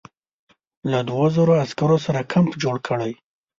له دوو زرو عسکرو سره کمپ جوړ کړی.